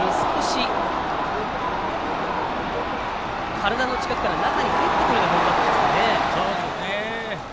体の近くから中に入ってくるようなボールでした。